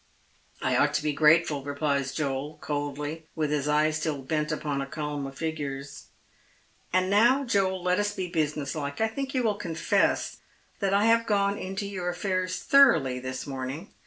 "I ought to be grateful," replies Joel, coldly, with his eyes still bent upon a column of figures. " And now, Joel, let us be business like. I think you will confess that I have gone into your affairs thoroughly this morn ing.